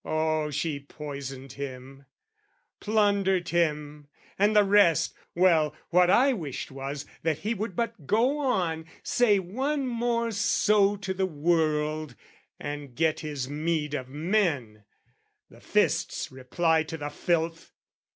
Oh, she poisoned him, Plundered him, and the rest! Well, what I wished Was, that he would but go on, say once more So to the world, and get his meed of men, The fist's reply to the filth.